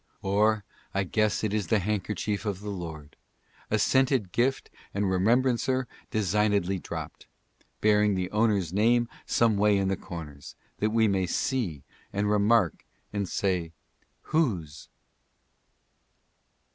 " Or I guess it is the handkerchief of the Lord, A scented gift and remembrancer designedly dropt, Bearing the owner's name someway in the corners, that we may see and remark, and say Whose?'''